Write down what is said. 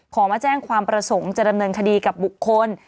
มาแจ้งความประสงค์จะดำเนินคดีกับบุคคล